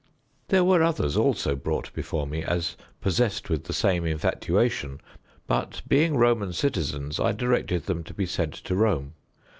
There were others also brought before me possessed with the same infatuation, but being Roman citizens, I directed them to be sent to Rome.